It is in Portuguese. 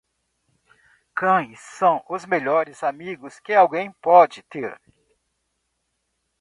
Cães são os melhores amigos que alguém pode ter.